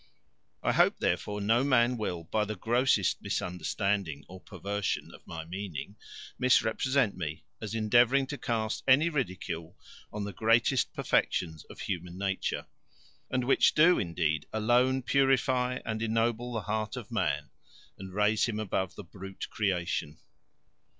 I hope, therefore, no man will, by the grossest misunderstanding or perversion of my meaning, misrepresent me, as endeavouring to cast any ridicule on the greatest perfections of human nature; and which do, indeed, alone purify and ennoble the heart of man, and raise him above the brute creation.